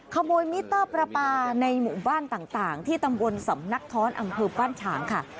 มิเตอร์ประปาในหมู่บ้านต่างที่ตำบลสำนักท้อนอำเภอบ้านฉางค่ะ